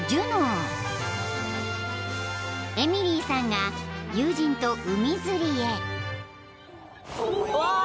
［エミリーさんが友人と海釣りへ］